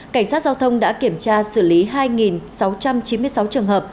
cảnh sát giao thông đã kiểm tra xử lý hai sáu trăm chín mươi sáu người